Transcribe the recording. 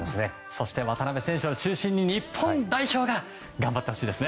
そして渡邊選手を中心に日本代表が頑張ってほしいです。